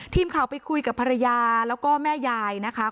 ทีมข่าวไปคุยกับภรรยาแล้วก็แม่ยายนะคะ